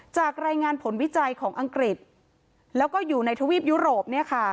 จากรายงานผลวิจัยของอังกฤษแล้วก็อยู่ในทวีปยุโรป